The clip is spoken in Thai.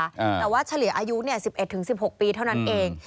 แต่ว่าเฉลี่ยอายุ๑๑๑๖ปีเท่านั้นเอง